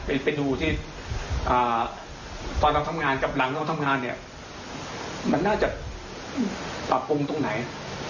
ไปดูที่ตอนเราทำงานกับหลังเราทำงานเนี่ยมันน่าจะปรับปรุงตรงไหน